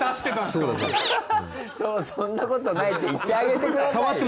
そうそんなことないって言ってあげてください。